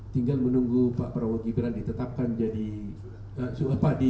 tinggal menunggu pak prabowo gibran ditetapkan jadi padi